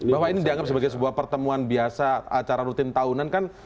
bahwa ini dianggap sebagai sebuah pertemuan biasa acara rutin tahunan kan